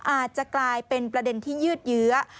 อาจจะกลายเป็นประเด็นที่ยืดเยื้อ